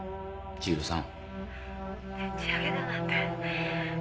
千尋さん。